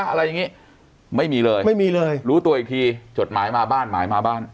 อะไรอย่างนี้ไม่มีเลยไม่มีเลยรู้ตัวอีกทีจดหมายมาบ้านหมายมาบ้าน